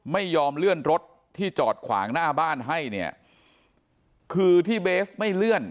ไม่ยอมเลื่อนรถที่จอดขวางหน้าบ้านให้เนี่ยคือที่เบสไม่เลื่อน